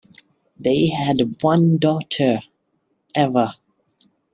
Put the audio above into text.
They had one daughter, Eva.